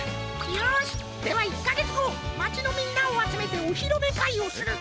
よしでは１かげつごまちのみんなをあつめておひろめかいをする！